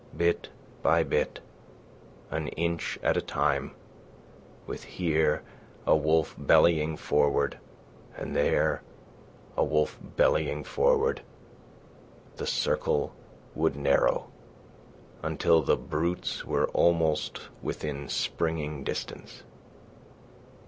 Bit by bit, an inch at a time, with here a wolf bellying forward, and there a wolf bellying forward, the circle would narrow until the brutes were almost within springing distance.